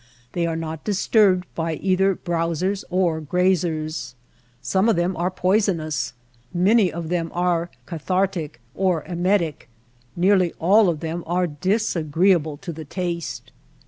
They are not disturbed by either browsers or grazers. Some of them are poisonous, many of them are cathartic or emetic, nearly all of them are disagreeable to the taste.